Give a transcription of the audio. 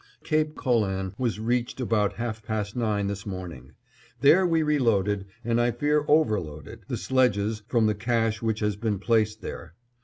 Cape Colan was reached about half past nine this morning. There we reloaded, and I fear overloaded, the sledges, from the cache which has been placed there.